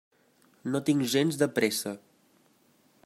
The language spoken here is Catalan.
No tinc gens de pressa.